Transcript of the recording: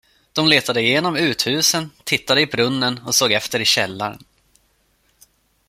De letade igenom uthusen, tittade i brunnen och såg efter i källaren.